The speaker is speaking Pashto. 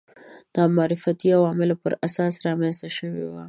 نامعرفتي عواملو پر اساس رامنځته شوي وو